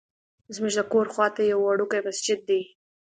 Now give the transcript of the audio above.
زمونږ د کور خواته یو وړوکی مسجد دی.